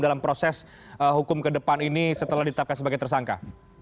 dalam proses hukum kedepan ini setelah ditetapkan sebagai tersangka